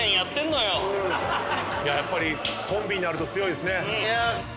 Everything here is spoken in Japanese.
やっぱりコンビになると強いですね。